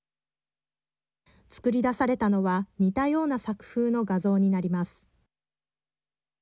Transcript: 作り出されたのは似たような作風の画像になります。